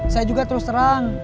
saya juga terus terang